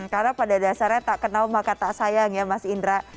karena pada dasarnya tak kenal maka tak sayang ya mas indra